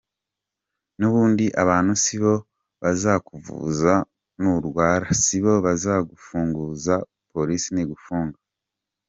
N’ubundi abantu sibo bazakuvuza nurwara, sibo bazagufunguza Polisi nigifunga.